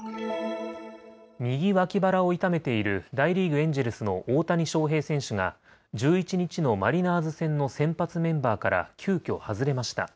右脇腹を痛めている大リーグ、エンジェルスの大谷翔平選手が１１日のマリナーズ戦の先発メンバーから急きょ外れました。